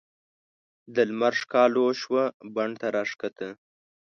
د لمر ښکالو شوه بڼ ته راکښته